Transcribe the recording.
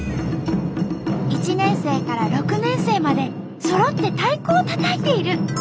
１年生から６年生までそろって太鼓をたたいている。